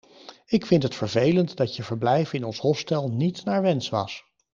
Ik vindt het vervelend dat je verblijf in ons hostel niet naar wens was.